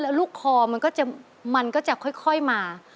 แล้วลูกคอมันก็จะค่อยมา